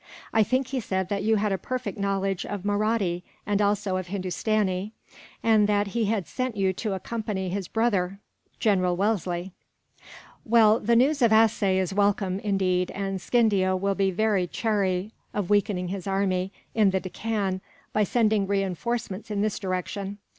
I think he said that you had a perfect knowledge of Mahratti, and also of Hindustani; and that he had sent you to accompany his brother, General Wellesley. "Well, the news of Assaye is welcome, indeed, and Scindia will be very chary of weakening his army in the Deccan by sending reinforcements in this direction.